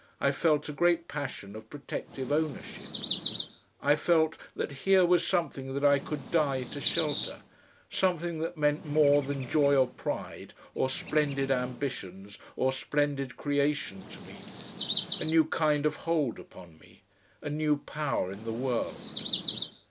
I felt a great passion of protective ownership; I felt that here was something that I could die to shelter, something that meant more than joy or pride or splendid ambitions or splendid creation to me, a new kind of hold upon me, a new power in the world.